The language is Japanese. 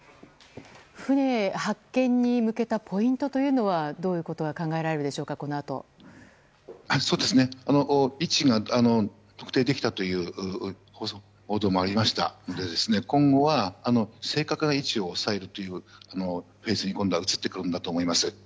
船の発見に向けたポイントはどういうことが考えられるでしょうか位置が特定できたという報道もありましたので今後は正確な位置を伝えるというフェーズに今度は移ってくるんだと思います。